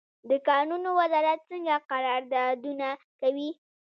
د کانونو وزارت څنګه قراردادونه کوي؟